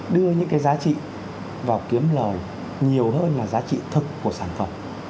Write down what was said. đưa những cái giá trị vào kiếm lời nhiều hơn là giá trị thực của sản phẩm